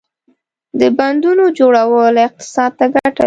• د بندونو جوړول اقتصاد ته ګټه لري.